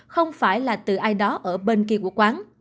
không phải là từ ai đó ở bên kia của quán